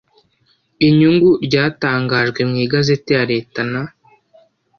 inyugu ryatangajwe mu igazeti ya leta n